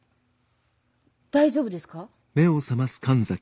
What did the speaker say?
大丈夫ですか？